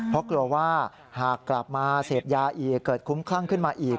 เพราะกลัวว่าหากกลับมาเสพยาอีกเกิดคุ้มคลั่งขึ้นมาอีก